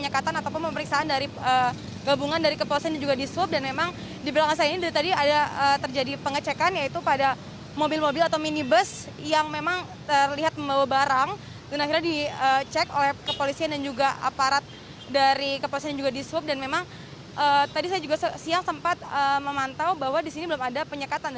kepolisian juga disuap dan memang tadi saya juga siang sempat memantau bahwa disini belum ada penyekatan